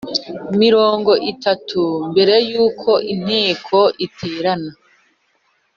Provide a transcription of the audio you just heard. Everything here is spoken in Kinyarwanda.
mirongo itatu mbere yuko inteko iterana